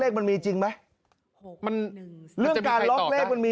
รางวัลที่หนึ่งงวดวันที่๑๖ตุลาคม๒๕๖๕โอ้โหคุณผู้ชมก่อนจะคุยเรื่องนี้